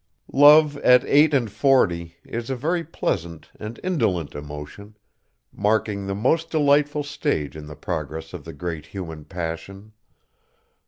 Love at eight and forty is a very pleasant and indolent emotion, marking the most delightful stage in the progress of the great human passion.